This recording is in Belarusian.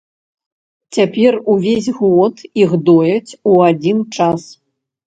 Цяпер увесь год іх дояць у адзін час.